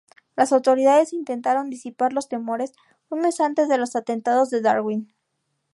Las autoridades intentaron disipar los temores un mes antes de los atentados de Darwin.